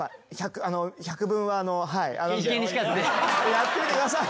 やってみてください。